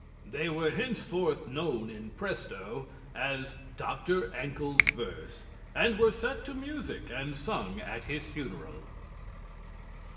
They were henceforth known in Presto as "Dr. Ankle's verse" and were set to music and sung at his funeral.